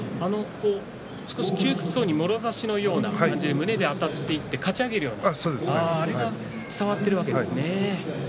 少し窮屈そうにもろ差しのような感じで胸であたっていってかち上げるようなあれが伝わっているわけですね。